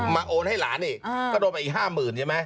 มาโอนให้หลานอีกก็โดนไปอีกห้าหมื่นใช่ไหม